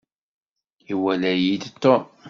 Iwala-yi-d Tom.